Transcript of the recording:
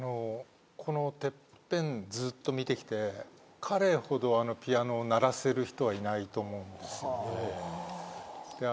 このＴＥＰＰＥＮずっと見てきて彼ほどピアノを鳴らせる人はいないと思うんですよね。